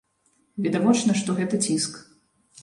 Відавочна, што гэта ціск.